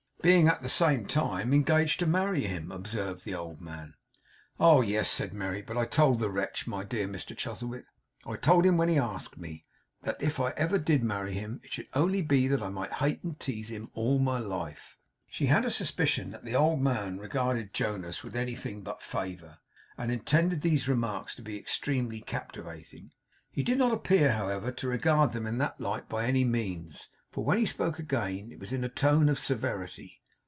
'Being at the same time engaged to marry him,' observed the old man. 'Oh yes,' said Merry. 'But I told the wretch my dear Mr Chuzzlewit, I told him when he asked me that if I ever did marry him, it should only be that I might hate and tease him all my life.' She had a suspicion that the old man regarded Jonas with anything but favour, and intended these remarks to be extremely captivating. He did not appear, however, to regard them in that light by any means; for when he spoke again, it was in a tone of severity.